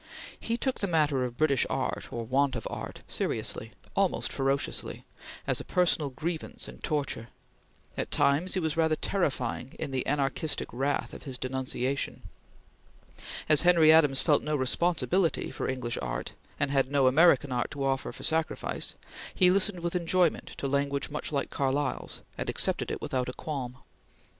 He took the matter of British art or want of art seriously, almost ferociously, as a personal grievance and torture; at times he was rather terrifying in the anarchistic wrath of his denunciation. As Henry Adams felt no responsibility for English art, and had no American art to offer for sacrifice, he listened with enjoyment to language much like Carlyle's, and accepted it without a qualm.